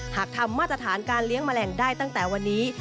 หากทำมาตรฐานการเลี้ยงแมลงได้ตั้งแต่วันนี้